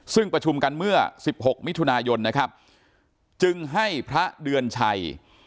ซึ่งประชุมกันเมื่อ๑๖มิถุนายนนะครับจึงให้พระเดือนชัย